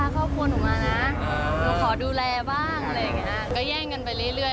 ก็จุดตัดสินก็คือ